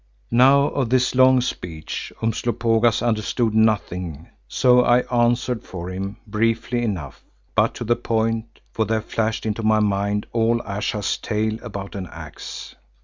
Now of this long speech Umslopogaas understood nothing, so I answered for him, briefly enough, but to the point, for there flashed into my mind all Ayesha's tale about an axe.